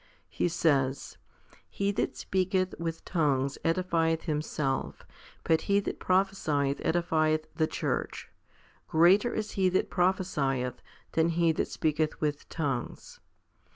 He says, He that speaketh with tongues edifieth himself, but he that prophcsieth edifieth the church. Greater is he that prophesieth than he that speaketh with tongues.